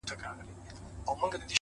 • اوس مي پر لکړه هغه لاري ستړي کړي دي ,